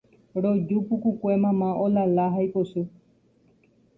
Roju pukukue mama olala ha ipochy